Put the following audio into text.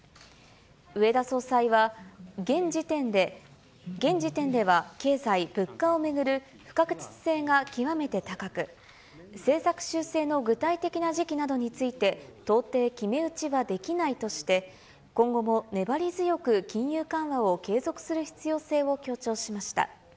植田総裁は、現時点では経済、物価を巡る不確実性が極めて高く、政策修正の具体的な時期などについて、到底決め打ちはできないとして、今後も粘り強く金融緩和を継続する必要性を強調しました。